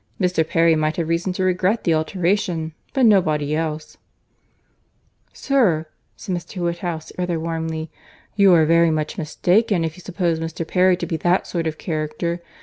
Mr. Perry might have reason to regret the alteration, but nobody else could." "Sir," said Mr. Woodhouse, rather warmly, "you are very much mistaken if you suppose Mr. Perry to be that sort of character.